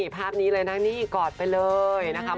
ภาพนี้เลยนะนี่กอดไปเลยนะคะ